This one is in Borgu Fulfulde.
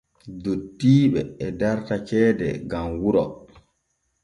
Dottiiɓe e darta ceede gam wuro.